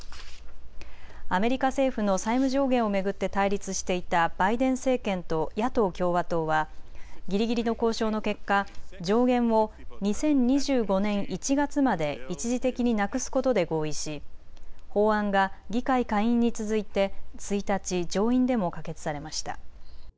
アメリカ政府の債務上限を巡って対立していたバイデン政権と野党・共和党はぎりぎりの交渉の結果、上限を２０２５年１月まで一時的になくすことで合意し法案が議会下院に続いて１日、上院でも可決されました。